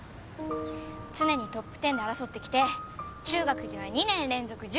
常にトップ１０で争ってきて中学では２年連続ジュニアの部で優勝。